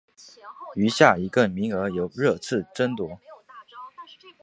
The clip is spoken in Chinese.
余下一个名额由热刺争夺。